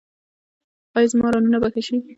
ایا زما رانونه به ښه شي؟